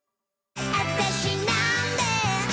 あたしなんで